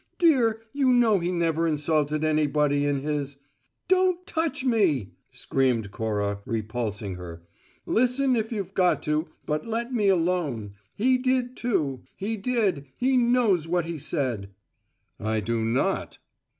Dear, you know he never insulted anybody in his " "Don't touch me!" screamed Cora, repulsing her. "Listen, if you've got to, but let me alone. He did too! He did! He knows what he said!" "I do not!"